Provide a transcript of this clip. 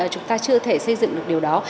chúng ta chưa thể xây dựng được điều đó